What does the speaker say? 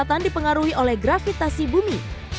kesehatan dipengaruhi oleh gravitasi bumi